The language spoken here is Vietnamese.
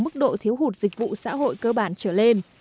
mức độ thiếu hụt dịch vụ xã hội cơ bản trở lên